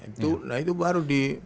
itu baru di